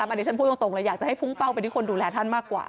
อันนี้ฉันพูดตรงเลยอยากจะให้พุ่งเป้าไปที่คนดูแลท่านมากกว่า